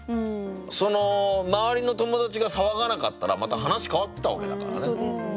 その周りの友達が騒がなかったらまた話変わってたわけだからね。